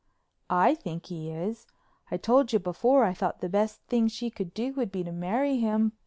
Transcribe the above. "I think he is. I told you before I thought the best thing she could do would be to marry him.